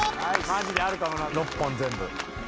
マジであるかもな６本全部。